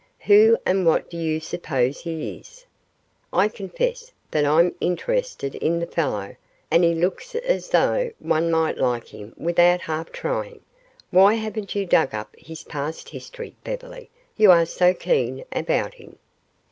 Who and what do you suppose he is? I confess that I'm interested in the fellow and he looks as though one might like him without half trying. Why haven't you dug up his past history, Beverly? You are so keen about him."